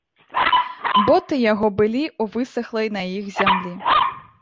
Боты яго былі ў высахлай на іх зямлі.